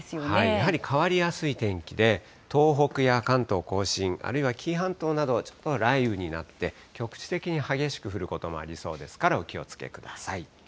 やはり変わりやすい天気で、東北や関東甲信、あるいは紀伊半島などはちょっと雷雨になって、局地的に激しく降ることもありそうですから、お気をつけください。